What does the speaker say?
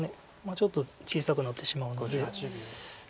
ちょっと小さくなってしまうので。